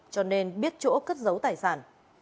cho nên biết chỗ cất giấu tài sản